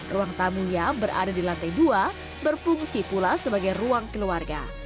ruang tamu yang berada di lantai dua berfungsi pula sebagai ruang keluarga